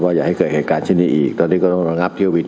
อย่าให้เกิดเหตุการณ์เช่นนี้อีกตอนนี้ก็ต้องระงับเที่ยวบิน